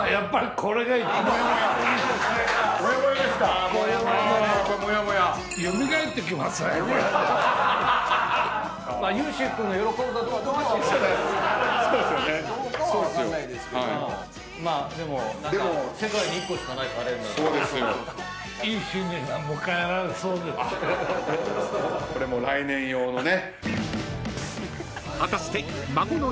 これもう来年用のね。